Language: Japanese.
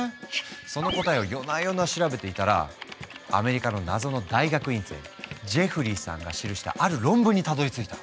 その答えを夜な夜な調べていたらアメリカの謎の大学院生ジェフリーさんが記したある論文にたどりついた。